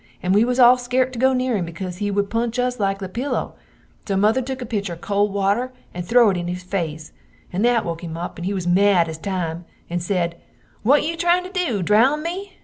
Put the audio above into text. and we was all scart to go neer him because he wood punch us like the pilo, so Mother took a pitcher of cold water and throo it in his face, and that woke him up and he was mad as time, and sed, what you tryin to do, drown me?